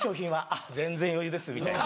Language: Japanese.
あっ全然余裕です」みたいな。